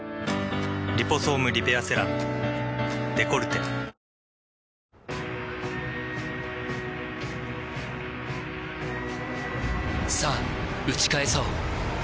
「リポソームリペアセラムデコルテ」さぁ打ち返そう